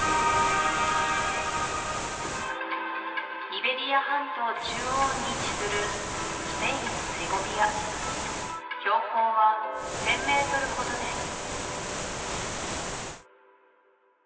イベリア半島中央に位置するスペインのセゴビア標高は１０００ｍほどです